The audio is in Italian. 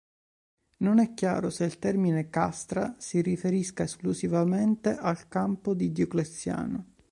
Non è chiaro se il termine "castra" si riferisca esclusivamente al campo di Diocleziano.